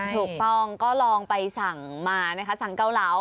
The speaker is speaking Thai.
ถูกต้องก็ลองไปสั่งมานะคะสั่งเกาเหลา